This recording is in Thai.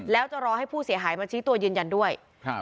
แล้วจะรอให้ผู้เสียหายมาชี้ตัวยืนยันด้วย